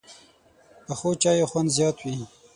پخو چایو خوند زیات وي